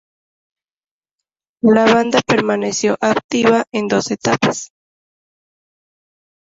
La banda permaneció activa en dos etapas.